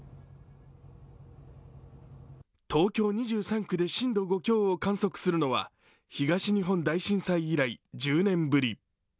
東京２３区で震度５強を観測するのは東日本大震災以来１０年ぶり。